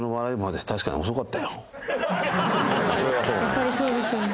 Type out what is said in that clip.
やっぱりそうですよね。